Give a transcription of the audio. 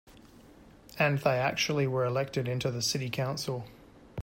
And they actually were elected into the city council.